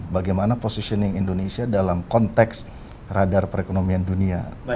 bagaimana positioning indonesia dalam konteks radar perekonomian dunia